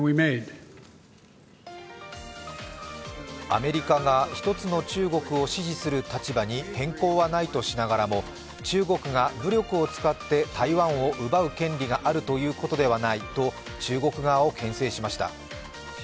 アメリカが一つの中国を支持する立場に変更はないとしながらも中国が武力を使って台湾を奪う権利があるということではないと、中国側をけん制しました。